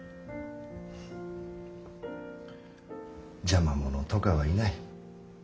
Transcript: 邪魔者とかはいない。